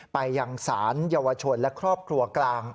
ไปยังศาลเยาวชนและครอบครัวกลาง